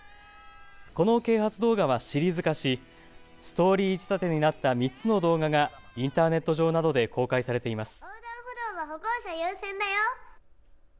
この啓発動画はシリーズ化しストーリー仕立てになった３つの動画がインターネット上などで公開されています。